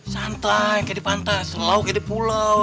santai kayak di pantai selalu kayak di pulau